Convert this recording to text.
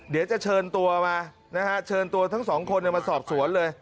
เดี๋ยวจะเชิญตัวมานะฮะเชิญตัวทั้งสองคนมาสอบสวนเลย